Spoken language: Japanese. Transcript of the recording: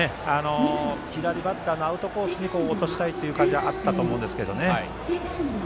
左バッターのアウトコースに落としたいという感じがあったと思いますけどね。